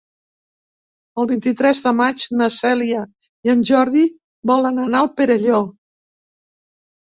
El vint-i-tres de maig na Cèlia i en Jordi volen anar al Perelló.